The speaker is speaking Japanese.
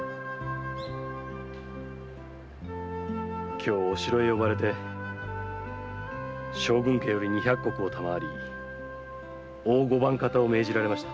今日お城へ呼ばれて将軍家より二百石を賜り大御番方を命じられました。